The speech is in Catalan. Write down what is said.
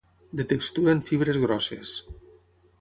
De textura en fibres grosses.